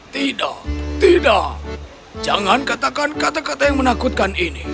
tidak tidak jangan katakan kata kata yang menakutkan ini